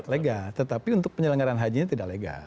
legal tetapi untuk penyelenggaran hajinya tidak legal